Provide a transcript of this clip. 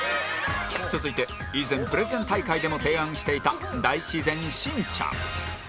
続いて以前プレゼン大会でも提案していた大自然しんちゃん